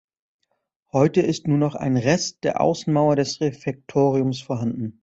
Heute ist nur noch ein Rest der Außenmauer des Refektoriums vorhanden.